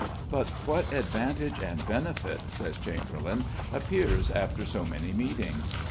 "But what advantage and benefit," says Chamberlayne, "appears after so many meetings?